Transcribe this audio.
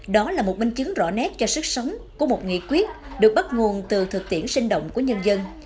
đó là một minh chứng rõ nét cho sức sống của một nghị quyết được bắt nguồn từ thực tiễn sinh động của nhân dân